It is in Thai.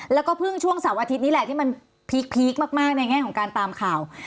แล้วก็เพิ่งช่วงเสาร์อาทิตย์นี้แหละที่มันพีคมากในแง่ของการตามข่าว